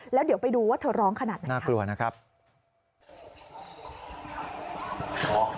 แล้วเดี๋ยวไปดูว่าเธอร้องขนาดนั้นครับนะครับน่ากลัวนะครับ